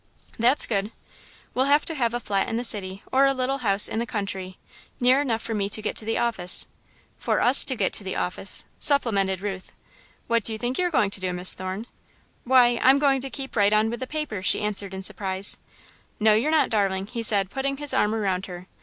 "That's good!" "We'll have to have a flat in the city, or a little house in the country, near enough for me to get to the office." "For us to get to the office," supplemented Ruth. "What do you think you're going to do, Miss Thorne?" "Why I'm going to keep right on with the paper," she answered in surprise. "No you're not, darling," he said, putting his arm around her.